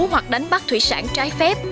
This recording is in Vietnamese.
hoặc đánh bắt thủy sản trái phép